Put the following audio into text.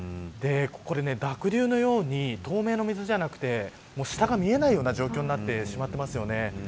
これ濁流のように透明の水じゃなくて下が見えないような状況になってしまっていますよね。